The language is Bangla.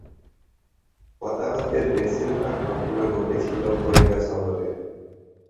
হতাহতের বেশিরভাগ ঘটনা ঘটেছিল কোয়েটা শহরে।